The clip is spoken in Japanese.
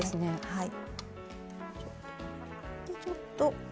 はい。